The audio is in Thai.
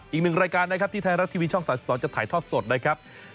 อีกหนึ่งรายการนะครับที่ไทยรัฐทีวีช่อง๓๒จะถ่ายทอดสดนะครับ